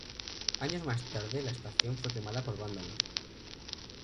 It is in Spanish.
Años más tarde la estación fue quemada por vándalos.